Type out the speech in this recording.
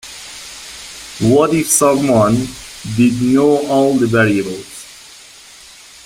What if someone did know all the variables?